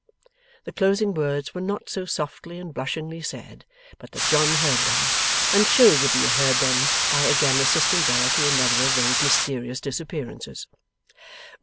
The closing words were not so softly and blushingly said but that John heard them, and showed that he heard them by again assisting Bella to another of those mysterious disappearances.